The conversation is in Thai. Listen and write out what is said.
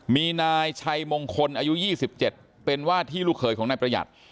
มีนายชัยมงคลอายุ๒๗เป็นว่าที่ลูกเคยของนายประหยัด